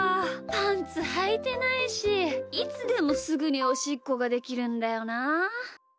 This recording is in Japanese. パンツはいてないしいつでもすぐにおしっこができるんだよなあ。